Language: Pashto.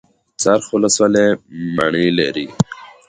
څرخ ولسوالۍ مڼې لري؟